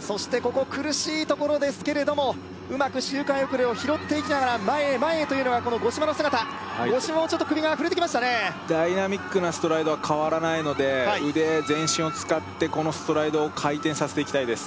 そしてここ苦しいところですけれどもうまく周回遅れを拾っていきながら前へ前へというのがこの五島の姿五島もちょっと首が振れてきましたねダイナミックなストライドは変わらないので腕全身を使ってこのストライドを回転させていきたいです